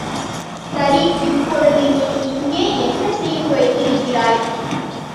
சரி, இப்பொழுது நீ இங்கே என்ன செய்து வைத்திருக்கிறாய்?